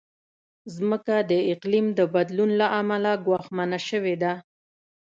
مځکه د اقلیم د بدلون له امله ګواښمنه شوې ده.